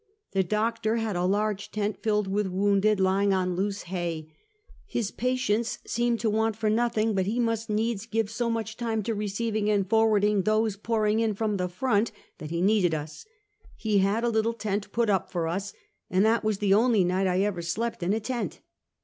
The doctor had a large tent, filled with wounded lying on loose hay. His patients seemed to want for nothing, but he must needs give so much time to re ceiving and forwarding those pouring in from the front, that he needed us. He had a little tent put up for us, and that was the only night I have ever slept in a tent.